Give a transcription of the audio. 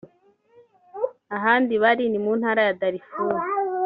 ahandi bari ni mu Ntara ya Darfur